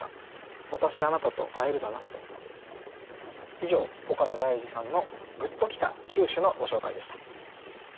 以上岡野大嗣さんのグッときた九首のご紹介でした。